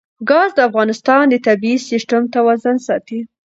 ګاز د افغانستان د طبعي سیسټم توازن ساتي.